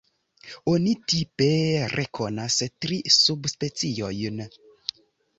Oni tipe rekonas tri subspeciojn.